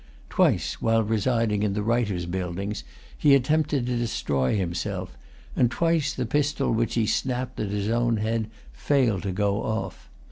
Twice, while residing in the Writers' Buildings, he attempted to destroy himself; and twice the pistol which he snapped at his own head failed to go off.